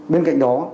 bên cạnh đó